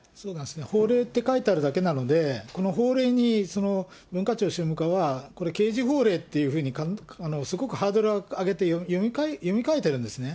法令って書いてあるだけなので、この法令に、文化庁宗務課は、これ、刑事法令というふうにすごくハードルを上げて、読みかえてるんですね。